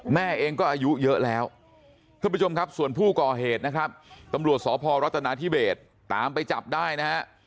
แม่เองก็อายุเยอะแล้วท่านผู้ชมครับส่วนผู้ก่อเหตุนะครับตำรวจสพรัฐนาธิเบสตามไปจับได้นะฮะ